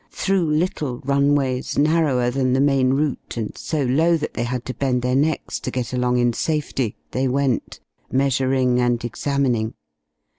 Through little runways, narrower than the main route, and so low that they had to bend their necks to get along in safety, they went, measuring and examining.